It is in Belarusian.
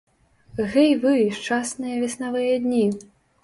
Гэй вы, шчасныя веснавыя дні!